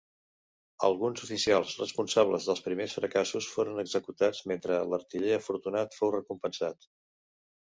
Alguns oficials responsables dels primers fracassos foren executats mentre l'artiller afortunat fou recompensat.